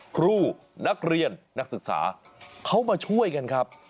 ครูนักเรียนนักศึกษาเขามาช่วยกันครับ